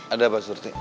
ada apa surti